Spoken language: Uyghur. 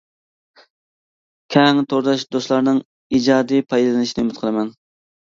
كەڭ تورداش دوستلارنىڭ ئىجادىي پايدىلىنىشىنى ئۈمىد قىلىمەن.